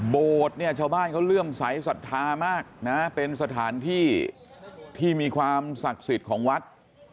เนี่ยชาวบ้านเขาเลื่อมใสสัทธามากนะเป็นสถานที่ที่มีความศักดิ์สิทธิ์ของวัด